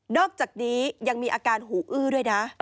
อกจากนี้ยังมีอาการหูอื้อด้วยนะ